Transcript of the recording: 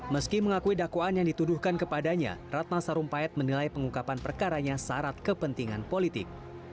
meski mengakui dakwaan yang dituduhkan kepadanya ratna sarumpayat menilai pengungkapan perkaranya syarat kepentingan politik